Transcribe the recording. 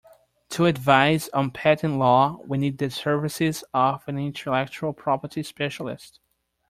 To advise on patent law, we need the services of an intellectual property specialist